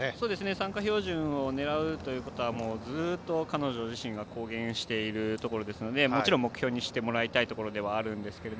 参加標準を狙うということはずっと彼女自身が公言していてもちろん、目標にしてもらいたいところではあるんですけど